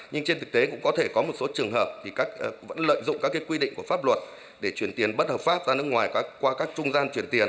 nhưng trên thực tế cũng có thể có một số trường hợp thì vẫn lợi dụng các quy định của pháp luật để chuyển tiền bất hợp pháp ra nước ngoài qua các trung gian chuyển tiền